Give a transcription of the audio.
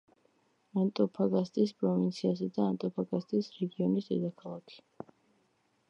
ანტოფაგასტის პროვინციისა და ანტოფაგასტის რეგიონის დედაქალაქი.